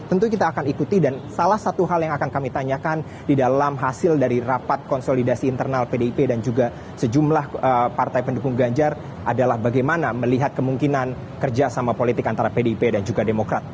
tentu kita akan ikuti dan salah satu hal yang akan kami tanyakan di dalam hasil dari rapat konsolidasi internal pdip dan juga sejumlah partai pendukung ganjar adalah bagaimana melihat kemungkinan kerjasama politik antara pdip dan juga demokrat